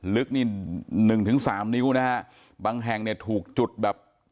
ลึกนี่๑๓นิ้วนะฮะบางแห่งเนี่ยถูกจุดแบบ